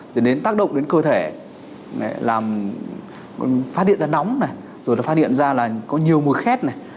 thì đến tác động đến cơ thể phát hiện ra nóng rồi phát hiện ra là có nhiều mùi khét